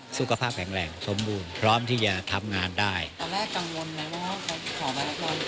สุขภาพแข็งแรงสมบูรณ์พร้อมที่จะทำงานได้ตอนแรกกังวลไหมว่าเขาขอมารับบอล